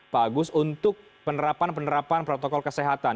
bagus untuk penerapan penerapan protokol kesehatan